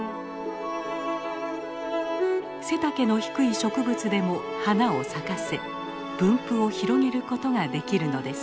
背丈の低い植物でも花を咲かせ分布を広げることができるのです。